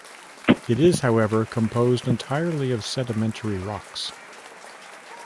It is however composed entirely of sedimentary rocks.